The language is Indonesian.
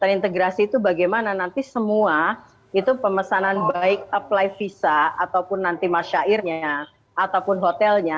terintegrasi itu bagaimana nanti semua itu pemesanan baik apply visa ataupun nanti masyairnya ataupun hotelnya